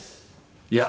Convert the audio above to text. いや。